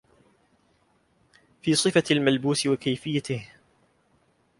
فِي صِفَةِ الْمَلْبُوسِ وَكَيْفِيَّتِهِ